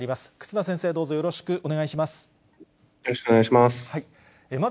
忽那先生、どうぞよろしくお願いします。